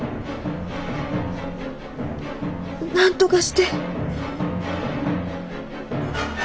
なんとかして。